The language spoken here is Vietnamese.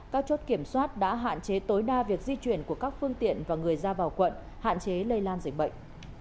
các chốt kiểm soát đã hạn chế tối đa việc di chuyển của các phương tiện và người ra vào quận hạn chế lây lan dịch bệnh